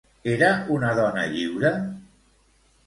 Era una dona lliure?